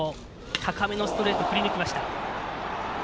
高めのストレート振り抜きました。